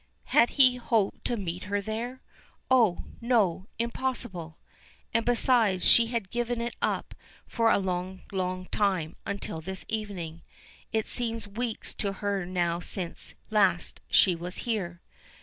Had he hoped to meet her there? Oh, no; impossible! And besides she had given it up for a long, long time until this evening. It seems weeks to her now since last she was here.